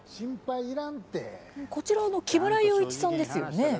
こちらは木村祐一さんですよね。